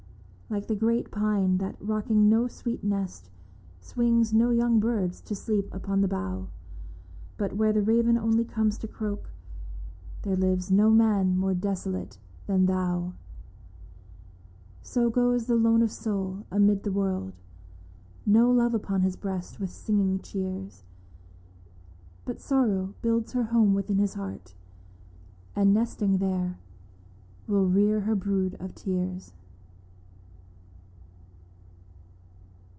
Like the great pine that, rocking no sweet nest, Swings no young birds to sleep upon the bough, But where the raven only comes to croak —' There lives no man more desolate than thou !' So goes the lone of soul amid the world — No love upon his breast, with singing, cheers ; But sorrow builds her home within his heart. And, nesting there, wiU rear her brood of tears.